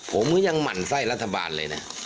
ผมก็ยังหมั่นไส้รัฐบาลเลยนะ